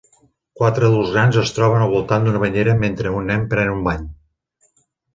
Quatre adults grans es troben al voltant d'una banyera mentre un nen pren un bany.